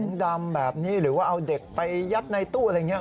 ดำแบบนี้หรือว่าเอาเด็กไปยัดในตู้อะไรอย่างนี้